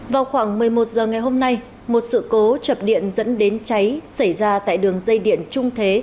vào khoảng một mươi một h ngày hôm nay một sự cố chập điện dẫn đến cháy xảy ra tại đường dây điện trung thế